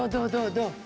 どう？